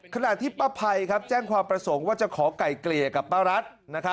ขณะที่ป้าภัยแจ้งความประสงค์ว่าจะขอไก่เกลี่ยกับป้ารัฐ